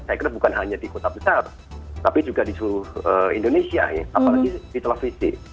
saya kira bukan hanya di kota besar tapi juga di seluruh indonesia ya apalagi di televisi